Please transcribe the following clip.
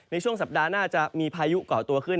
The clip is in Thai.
ในช่วงสัปดาห์หน้าจะมีพายุเกาะตัวขึ้น